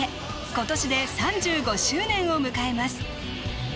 今年で３５周年を迎えます